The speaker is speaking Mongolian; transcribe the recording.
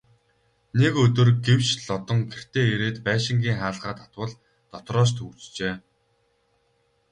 Нэг өдөр гэвш Лодон гэртээ ирээд байшингийн хаалгаа татвал дотроос түгжжээ.